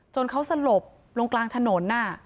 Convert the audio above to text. เขาสลบลงกลางถนน